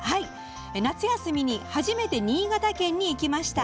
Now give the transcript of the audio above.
「夏休みに初めて新潟県に行きました。